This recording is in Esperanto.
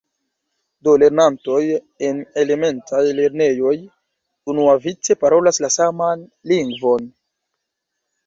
Do lernantoj en elementaj lernejoj unuavice parolas la saman lingvon.